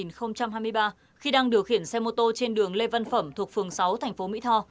năm hai nghìn hai mươi ba khi đang điều khiển xe mô tô trên đường lê văn phẩm thuộc phường sáu thành phố mỹ tho